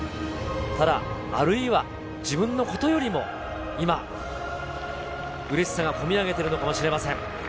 ただ、あるいは、自分のことよりも、今、うれしさが込み上げているのかもしれません。